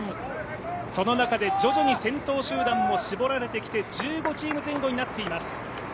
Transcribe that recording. その中で徐々に先頭集団も絞られてきて１５チーム前後になってきます。